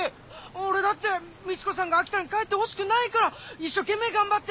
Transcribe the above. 俺だってみち子さんが秋田に帰ってほしくないから一生懸命頑張って。